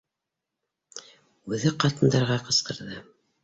Үҙе ҡатындарға ҡысҡырҙы: